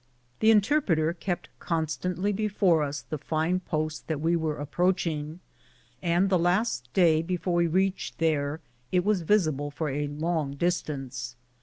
The interpreter kept constantly before us the fine post that we were approaching, and the last day before we reached there it was visible for a long distance.